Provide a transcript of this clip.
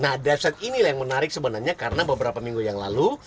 nah defset inilah yang menarik sebenarnya karena beberapa minggu yang lalu